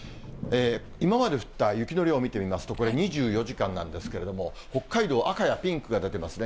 今まで降った雪の量見てみますと、これ２４時間なんですけれども、北海道、赤やピンクが出てますね。